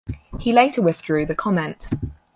He later withdrew the comment.